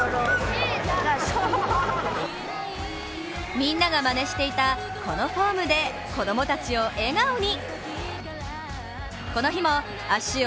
みんながまねしていたこのフォームで子供たちを笑顔に。